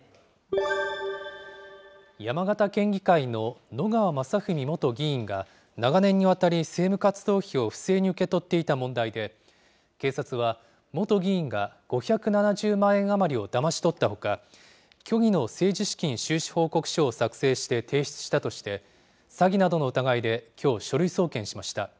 山形県議会ののがわまさふみ元議員が、長年にわたり政務活動費を不正に受け取っていた問題で、警察は、元議員が５７０万円余りをだまし取ったほか、虚偽の政治資金収支報告書を作成して提出したとして、詐欺などの疑いできょう、書類送検しました。